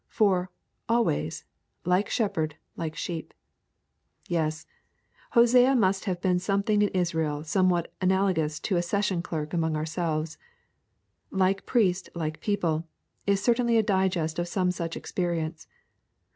For, always, like shepherd like sheep. Yes. Hosea must have been something in Israel somewhat analogous to a session clerk among ourselves. 'Like priest like people' is certainly a digest of some such experience.